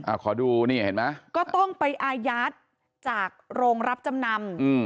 ขอดูนี่เห็นไหมก็ต้องไปอายัดจากโรงรับจำนำอืม